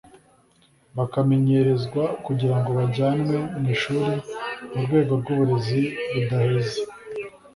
bakamenyerezwa kugira ngo bajyanwe mu ishuri mu rwego rw’uburezi budaheza